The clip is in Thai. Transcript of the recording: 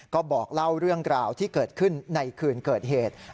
ก็บอกเล่าเรื่องราวที่เกิดขึ้นในคืนเกิดเหตุ